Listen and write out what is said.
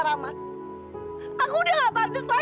dari dari kamu aku gak bisa balikan lagi sama rama